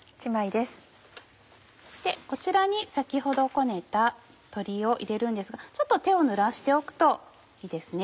でこちらに先ほどこねた鶏を入れるんですがちょっと手をぬらしておくといいですね。